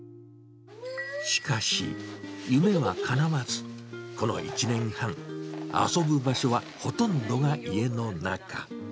しかし、夢はかなわず、この１年半、遊ぶ場所はほとんどが家の中。